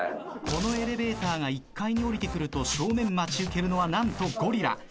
このエレベーターが１階に降りてくると正面待ち受けるのは何とゴリラ。